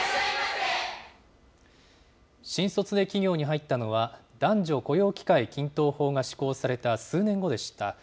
新卒で企業に入ったのは、男女雇用機会均等法が施行された数年後でした。